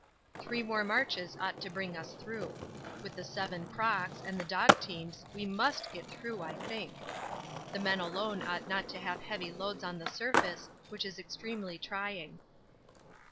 Three more marches ought to bring us through. With the seven crocks and the dog teams we must get through I think. The men alone ought not to have heavy loads on the surface, which is extremely trying.